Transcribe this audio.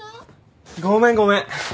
ごめんごめん。